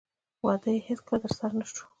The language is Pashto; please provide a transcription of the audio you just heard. واده یې هېڅکله ترسره نه شو